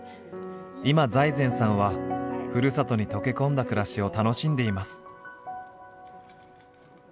今財前さんはふるさとに溶け込んだ暮らしを楽しんでいます。